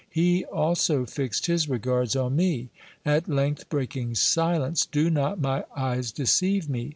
He also fixed his regards on me. At length breaking silence : Do not my eyes deceive me